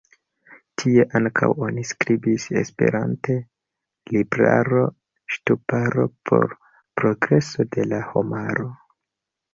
Tie ankaŭ oni skribis esperante "Libraro-Ŝtuparo por Progreso de la Homaro".